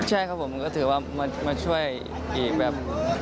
ใช่ครับผมก็ถือว่ามาช่วยอีกแบบ